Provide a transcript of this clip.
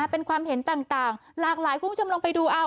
เป็นความเห็นต่างหลากหลายความจำนงไปดูอ้าว